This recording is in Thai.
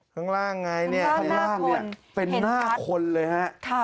ข้างล่างไงข้างล่างเป็นหน้าคนเลยครับ